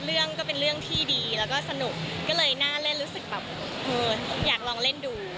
เรื่องก็เป็นเรื่องที่ดีแล้วก็สนุกก็เลยน่าเล่นรู้สึกแบบเอออยากลองเล่นดู